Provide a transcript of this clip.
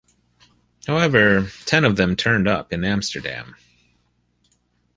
However, ten of them turned up in Amsterdam.